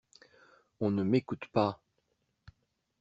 On ne m'écoute pas.